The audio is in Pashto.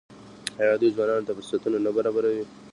آیا دوی ځوانانو ته فرصتونه نه برابروي؟